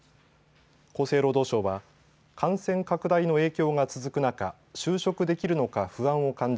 厚生労働省は感染拡大の影響が続く中、就職できるのか不安を感じ